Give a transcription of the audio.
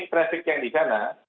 traffic yang di sana